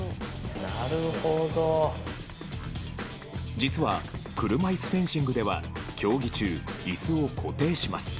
実は、車いすフェンシングでは競技中、椅子を固定します。